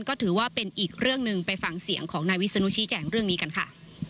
ก็ถือว่าเป็นอีกเรื่องหนึ่งไปฟังเสียงของนายวิศนุชี้แจงเรื่องนี้กันค่ะ